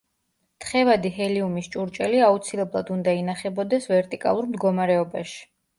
თხევადი ჰელიუმის ჭურჭელი აუცილებლად უნდა ინახებოდეს ვერტიკალურ მდგომარეობაში.